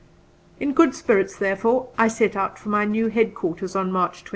In good spirits, therefore, I set out for my new headquarters on March 28.